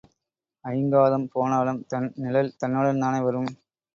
ஐங்காதம் போனாலும் தன் நிழல் தன்னுடன்தானே வரும்?